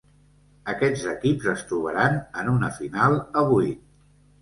Aquests equips es trobaran en una final a vuit.